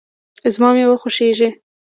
زما مېوه خوښیږي